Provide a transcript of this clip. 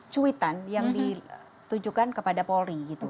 cuitan yang ditujukan kepada polri gitu